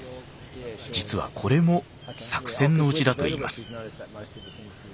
実はこれも作戦のうちだといいます。